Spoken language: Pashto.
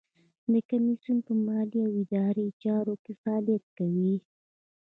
د کمیسیون په مالي او اداري چارو کې فعالیت کوي.